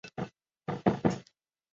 圣罗芒人口变化图示